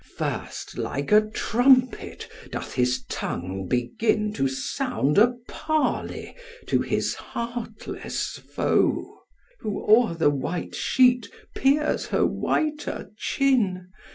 First, like a trumpet, doth his tongue begin To sound a parley to his heartless foe; Who o'er the white sheet peers her whiter chin.